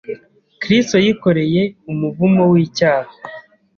Kristo yikoreye umuvumo w’icyaha,